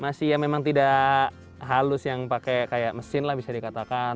masih ya memang tidak halus yang pakai kayak mesin lah bisa dikatakan